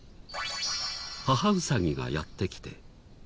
母うさぎがやって来て。